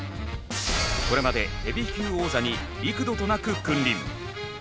これまでヘビー級王座に幾度となく君臨。